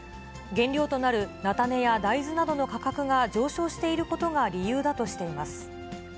原料となる菜種や大豆などの価格が上昇していることが理由だとしています。